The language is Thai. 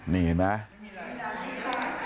นี่เห็นมั้ย